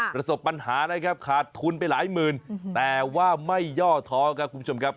ประสบปัญหานะครับขาดทุนไปหลายหมื่นแต่ว่าไม่ย่อท้อครับคุณผู้ชมครับ